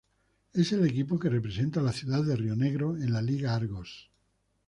Es el equipo que representa a la ciudad de Rionegro en la liga Argos.